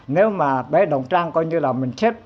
nếu mà bé đồng trang coi như là mình xếp